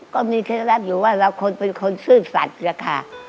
ก็มีเคล็ดลับอยู่ว่าเราเป็นคนซื่อสัตว์ค่ะ